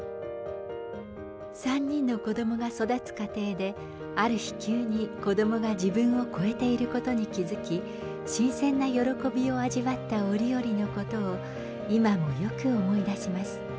３人の子どもが育つ過程で、ある日、急に子どもが自分を越えていることに気付き、新鮮な喜びを味わった折々のことを、今もよく思い出します。